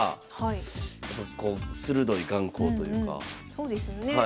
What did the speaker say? そうですよね。